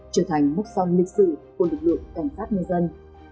trở thành mốc son lịch sử của lực lượng cảnh sát nhân dân